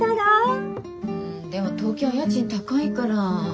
うんでも東京は家賃高いから。